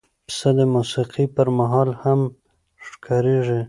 پسه د موسیقۍ پر مهال هم ښکارېږي.